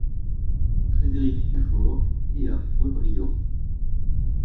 Frédérique Dufort est née à Boisbriand.